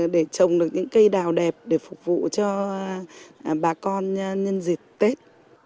để trồng được những cây đào đẹp để phục vụ cho bà con nhân dịp tết